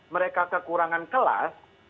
mereka kekurangan kelas